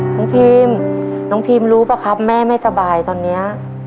พีมน้องพีมรู้ป่ะครับแม่ไม่สบายตอนนี้